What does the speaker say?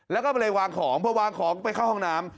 แล้วก็ไปเลยวางของพอวางของไปเข้าห้องน้ำ